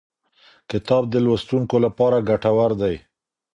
کتاب د لوستونکو لپاره ګټور دی.